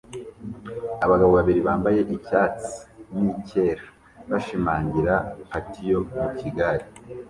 Abagabo babiri bambaye icyatsi nicyera bashimangira patio mu gikari